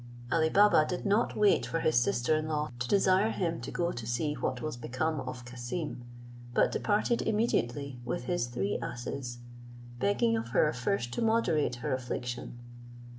Ali Baba did not wait for his sister in law to desire him to go to see what was become of Cassim, but departed immediately with his three asses, begging of her first to moderate her affliction.